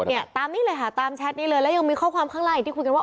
เนี่ยตามนี้เลยค่ะตามแชทนี้เลยแล้วยังมีข้อความข้างล่างอีกที่คุยกันว่า